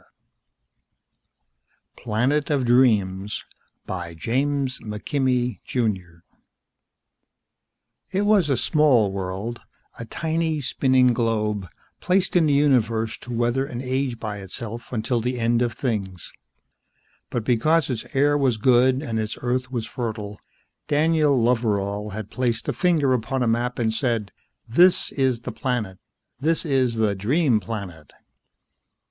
_ Planet of Dreams By James McKimmey, Jr. Illustrated by Paul Orban It was a small world, a tiny spinning globe, placed in the universe to weather and age by itself until the end of things. But because its air was good and its earth was fertile, Daniel Loveral had placed a finger upon a map and said, "This is the planet. This is the Dream Planet."